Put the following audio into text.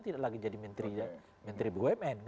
tidak lagi jadi menteri bumn